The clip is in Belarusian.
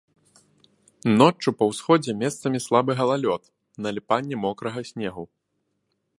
Ноччу па ўсходзе месцамі слабы галалёд, наліпанне мокрага снегу.